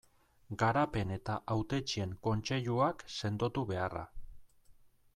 Garapen eta Hautetsien kontseiluak sendotu beharra.